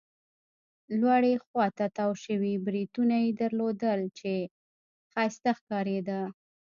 لوړې خوا ته تاو شوي بریتونه يې درلودل، چې ښایسته ښکارېده.